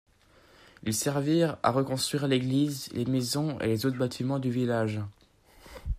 Ils servirent à reconstruire l'église, les maisons et les autres bâtiments du village.